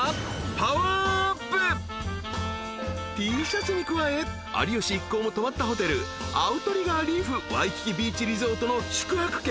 ［Ｔシャツに加え有吉一行も泊まったホテルアウトリガー・リーフ・ワイキキ・ビーチ・リゾートの宿泊券］